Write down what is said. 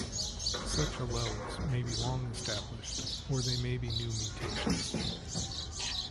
Such alleles may be long established, or they may be new mutations.